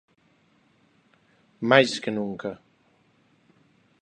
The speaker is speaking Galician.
Máis que nunca.